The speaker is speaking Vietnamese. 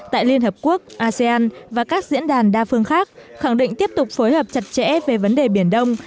tại liên hợp quốc asean và các diễn đàn đa phương khác khẳng định tiếp tục phối hợp chặt chẽ về vấn đề biển đông